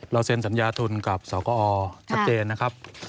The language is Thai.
เซ็นสัญญาทุนกับสกอชัดเจนนะครับ